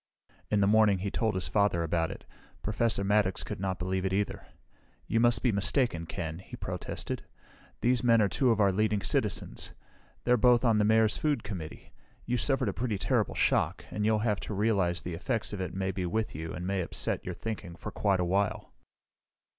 In the morning he told his father about it. Professor Maddox could not believe it, either. "You must be mistaken, Ken," he protested. "These men are two of our leading citizens. They're both on the Mayor's food committee. You suffered a pretty terrible shock, and you'll have to realize the effects of it may be with you, and may upset your thinking, for quite a while."